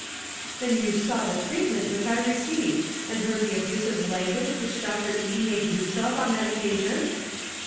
"Then you saw the treatment which I received, and heard the abusive language which Doctor E. made use of on that occasion?"